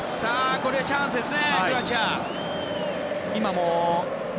これはチャンスですね